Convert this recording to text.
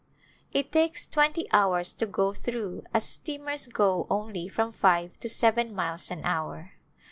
It takes twenty hours to go through as steamers go only from five to seven miles an hour.